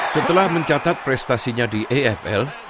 setelah mencatat prestasinya di afl